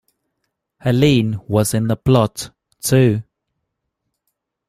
Helene was in the plot, too.